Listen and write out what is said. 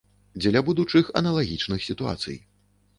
Дзеля будучых аналагічных сітуацый.